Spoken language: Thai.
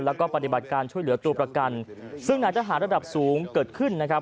แล้วก็ปฏิบัติการช่วยเหลือตัวประกันซึ่งนายทหารระดับสูงเกิดขึ้นนะครับ